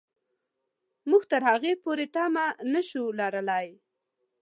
موږ تر هغې پورې تمه نه شو لرلای.